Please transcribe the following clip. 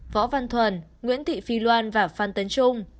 võ văn thuần nguyễn thị phi loan và phan tấn trung